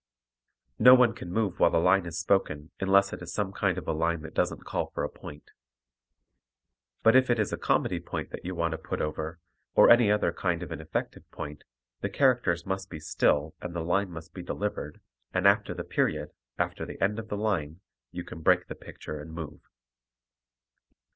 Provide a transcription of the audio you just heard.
No one can move while a line is spoken unless it is some kind of a line that doesn't call for a point. But if it is a comedy point that you want to put over, or any other kind of an effective point, the characters must be still and the line must be delivered, and after the period, after the end of the line, you can break the picture and move.